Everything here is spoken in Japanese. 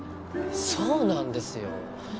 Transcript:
そうなんですよ。